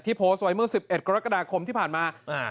ที่โพสต์ไว้เมื่อสิบเอ็ดกรกฎาคมที่ผ่านมาอ่า